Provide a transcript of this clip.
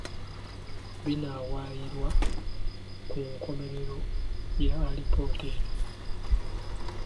Binaawaayirwa ku nkomerero y'alipoota eno.